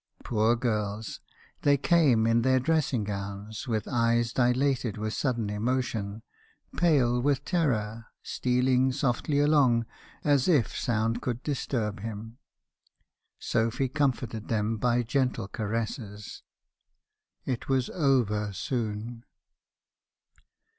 Poor girls, they came in in their dressing gowns , with eyes dilated with sudden emotion, pale with terror, stealing softly along, as if sound could disturb him. Sophy comforted them by gentle ca resses. It was over soon.